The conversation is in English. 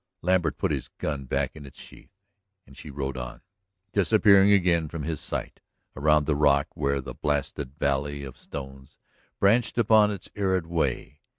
Lambert put his gun back in its sheath, and she rode on, disappearing again from his sight around the rock where the blasted valley of stones branched upon its arid way.